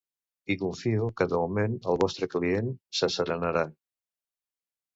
I confio que de moment el vostre client s'asserenarà.